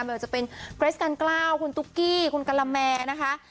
ไม่ว่าจะเป็นเกรสกันกล้าวคุณตุ๊กกี้คุณกะละแมนะคะ